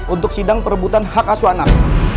untuk sidang perebutan hak asu anak